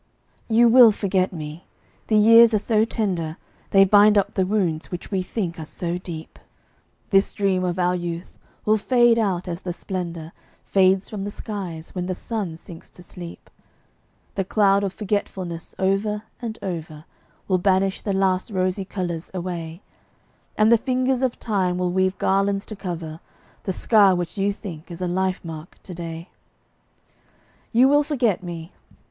You will forget me. The years are so tender, They bind up the wounds which we think are so deep; This dream of our youth will fade out as the splendor Fades from the skies when the sun sinks to sleep; The cloud of forgetfulness, over and over Will banish the last rosy colors away, And the fingers of time will weave garlands to cover The scar which you think is a life mark to day. You will forget me.